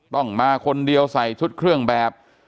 ต้องมาคนเดียวใส่ชุดเครื่องแบบ